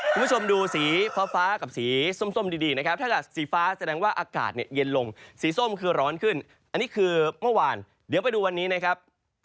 คุณผู้ชมดูสีฟ้ากับสีส้มดีนะครับถ้าเกิดสีฟ้าแสดงว่าอากาศเนี่ยเย็นลงสีส้มคือร้อนขึ้นอันนี้คือเมื่อวานเดี๋ยวไปดูวันนี้นะครับ